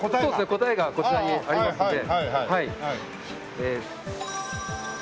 答えがこちらにありますので。